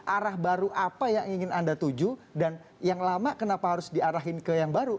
arah baru apa yang ingin anda tuju dan yang lama kenapa harus diarahin ke yang baru